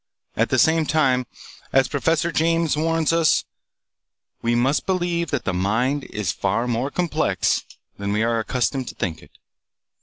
At the same time, as Professor James warns us, we must believe that the mind is far more complex than we are accustomed to think it.